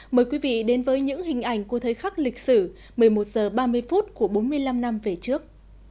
mời quý vị đến với những hình ảnh của thời khắc lịch sử một mươi một h ba mươi phút của bốn mươi năm năm về trước